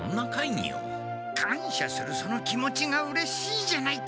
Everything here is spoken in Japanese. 感しゃするその気持ちがうれしいじゃないか！